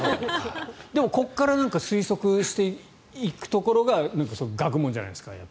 でもここから推測していくところが学問じゃないですか。